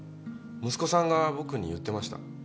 息子さんが僕に言ってました。